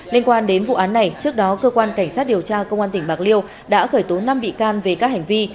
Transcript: liên quan đến vụ án này trước đó cơ quan cảnh sát điều tra công an tỉnh bạc liêu đã khởi tố năm bị can về các hành vi